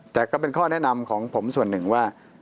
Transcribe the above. แต่ก็เป็นข้อแนะนำของผมส่วนหนึ่งว่า